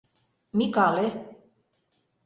Микале.